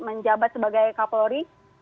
menjabat sebagai kapolri